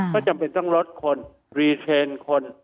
ก็จำเป็นต้องลดคนรีเทรนด์คน